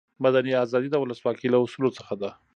مدني آزادي د ولسواکي له اصولو څخه ده.